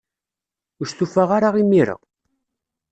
Ur stufaɣ ara imir-a.